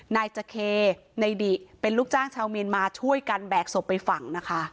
นายจะเคนายดิเป็นลูกจ้างชาวเมียนมาช่วยกันแบกศพไปฝังนะคะ